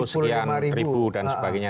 dua ratus sekian ribu dan sebagainya